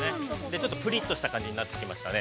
ちょっとプリッとした感じになってきましたね。